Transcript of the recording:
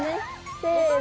せの！